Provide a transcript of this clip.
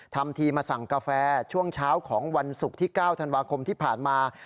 ทำทีมาสั่งกาแฟช่วงเช้าของวันศุกร์ที่๙ธันวาคมที่ผ่านมา